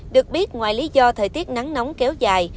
được biết ngoài lý do thời tiết nắng nóng kéo dài